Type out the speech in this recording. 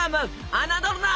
侮るな！